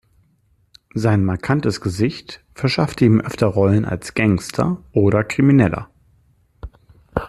Sein markantes Gesicht verschaffte ihm öfter Rollen als Gangster oder Krimineller.